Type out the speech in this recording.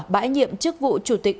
bãi nhiệm chức vụ chủ tịch